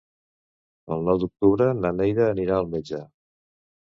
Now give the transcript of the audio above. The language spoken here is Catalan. El nou d'octubre na Neida anirà al metge.